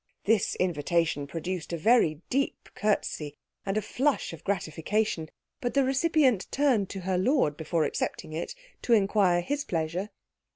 This invitation produced a very deep curtsey and a flush of gratification, but the recipient turned to her lord before accepting it, to inquire his pleasure.